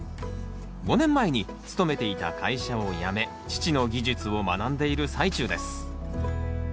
５年前に勤めていた会社を辞め父の技術を学んでいる最中です